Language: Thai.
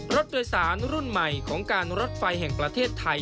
รถโดยสารรุ่นใหม่ของการรถไฟแห่งประเทศไทย